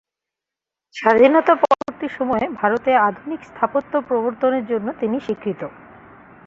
স্বাধীনতা পরবর্তি সময়ে ভারতে আধুনিক স্থাপত্য প্রবর্তনের জন্য তিনি স্বীকৃত।